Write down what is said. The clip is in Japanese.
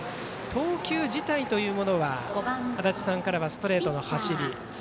投球自体は足達さんからはストレートの走り